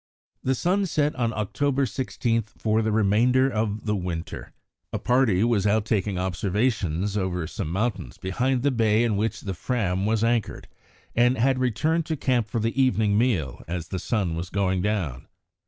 The sun set on October 16 for the remainder of the winter. A party was out taking observations over some mountains behind the bay in which the Fram was anchored, and had returned to camp for the evening meal as the sun was going down.